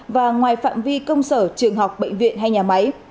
và ngoài phạm vi công sở trường học bệnh viện hay nhà máy